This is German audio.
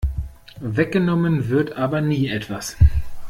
Weggenommen wird aber nie etwas.